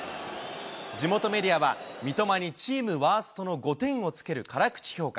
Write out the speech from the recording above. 地元メディアは、三笘にチームワーストの５点をつける辛口評価。